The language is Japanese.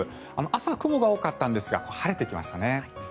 朝、雲が多かったんですが晴れてきましたね。